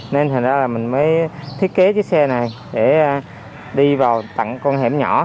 nên hình ra là mình mới thiết kế chiếc xe này để đi vào tặng con hẻm nhỏ